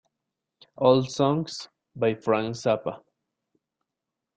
All songs by Frank Zappa.